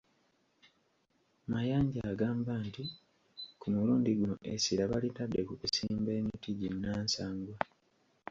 Mayanja agamba nti ku mulundi guno essira balitadde ku kusimba emiti ginnansangwa.